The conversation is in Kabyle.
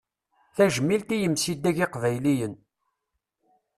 Tajmilt i yimsidag iqbayliyen.